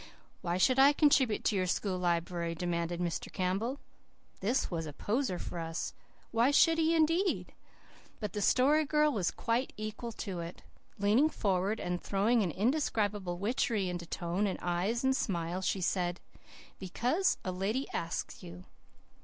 "Why should I contribute to your school library?" demanded Mr. Campbell. This was a poser for us. Why should he, indeed? But the Story Girl was quite equal to it. Leaning forward, and throwing an indescribable witchery into tone and eyes and smile, she said, "Because a lady asks you."